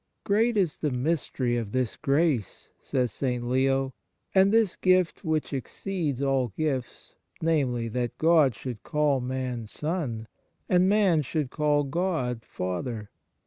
" Great is the mystery of this grace," says St. Leo, " and this gift which ex ceeds all gifts namely, that God should call man son, and man should call God Father.